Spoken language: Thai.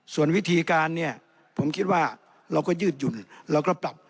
ส่วนวิธีการเนี่ยผมคิดว่าเราก็ยืดหยุ่นเราก็ปรับ